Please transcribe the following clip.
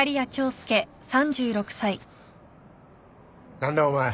何だお前？